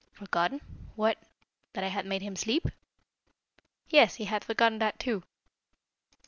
"Forgotten? What? That I had made him sleep?" "Yes. He had forgotten that too."